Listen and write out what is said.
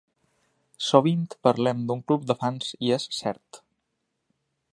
Sovint parlem d’un club de fans i és cert.